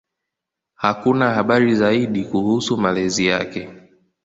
Hakuna habari zaidi kuhusu malezi yake.